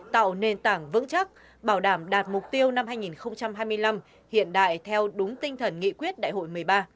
tạo nền tảng vững chắc bảo đảm đạt mục tiêu năm hai nghìn hai mươi năm hiện đại theo đúng tinh thần nghị quyết đại hội một mươi ba